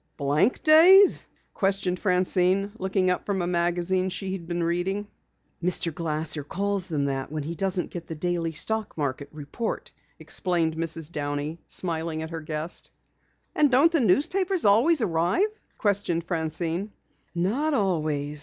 "Blank days?" questioned Francine, looking up from a magazine she had been reading. "Mr. Glasser calls them that when he doesn't get the daily stock market report," explained Mrs. Downey, smiling at her guest. "And don't the newspapers always arrive?" questioned Francine. "Not always.